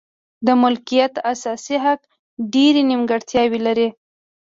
د مالکیت اساسي حق ډېرې نیمګړتیاوې لري.